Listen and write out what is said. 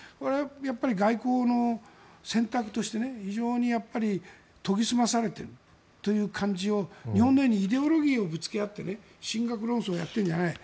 やっぱり外交の選択として非常に研ぎ澄まされているという感じを日本のようにイデオロギーをぶつけ合って神学論争をやっているんじゃない。